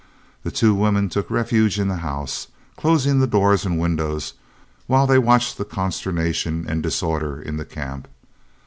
The two women took refuge in the house, closing the doors and windows, while they watched the consternation and disorder in the camp.